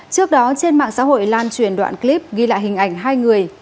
trước đó trên mạng xã hội lan truyền đoạn clip ghi lại hình ảnh hai người